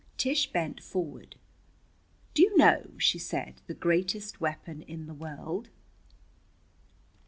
Tish bent forward. "Do you know," she said, "the greatest weapon in the world?"